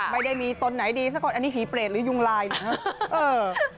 ไม่ได้มีตนไหนดีสักคนอันนี้ผีเปรตหรือยุงลายนะครับ